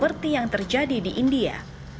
seperti yang terjadi di india